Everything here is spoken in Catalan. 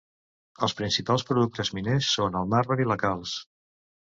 Els principals productes miners són el marbre i la calç.